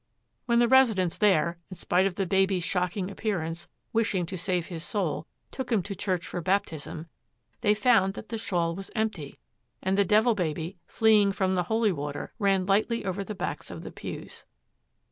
When the residents there, in spite of the baby's shocking appearance, wishing to save his soul, took him to church for baptism, they found that the shawl was empty, and the Devil Baby, fleeing from the holy water, ran lightly over the backs of the pews.